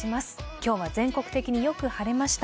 今日は全国的によく晴れました。